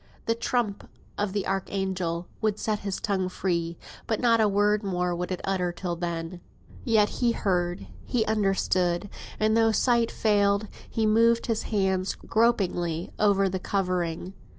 The trump of the archangel would set his tongue free; but not a word more would it utter till then. Yet he heard, he understood, and though sight failed, he moved his hand gropingly over the covering.